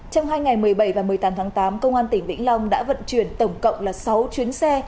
trong hai ngày một mươi bảy và một mươi tám tháng tám công an tỉnh vĩnh long đã vận chuyển tổng cộng là sáu chuyến xe